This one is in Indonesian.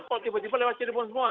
kok tiba tiba lewat cirebon semua